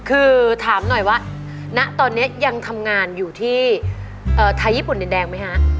คือถามหน่อยว่าณตอนนี้ยังทำงานอยู่ที่ไทยญี่ปุ่นดินแดงไหมฮะ